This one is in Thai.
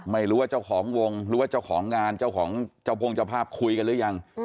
ไม่รู้ว่าเจ้าของวงหรือว่าเจ้าของงานเจ้าของเจ้าพงเจ้าภาพคุยกันหรือยัง